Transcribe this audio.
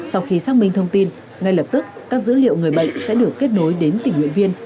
sau khi xác minh thông tin ngay lập tức các dữ liệu người bệnh sẽ được kết nối đến tình nguyện viên